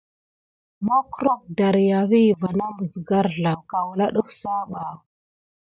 Makkrok dariawi va na məs garzlaw kawla ɗəf sah ɓa.